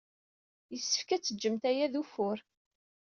Yessefk ad teǧǧemt aya d ufur.